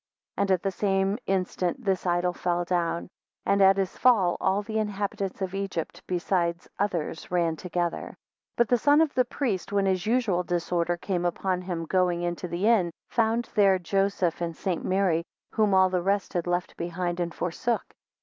13 And at the same instant this idol fell down, and at his fall all the inhabitants of Egypt, besides others ran together. 14 But the son of the priest, when his usual disorder came upon him going into the inn, found there Joseph and St. Mary, whom all the rest had left behind and forsook.